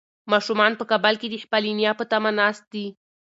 ماشومان په کابل کې د خپلې نیا په تمه ناست دي.